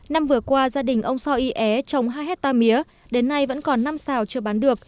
năm vừa qua gia đình ông so yé trồng hai hectare mía đến nay vẫn còn năm xào chưa bán được